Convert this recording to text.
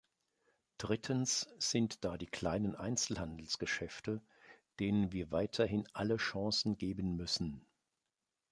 Drittens sind da die kleinen Einzelhandelsgeschäfte, denen wir weiterhin alle Chancen geben müssen.